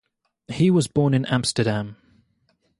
He was born in Amsterdam.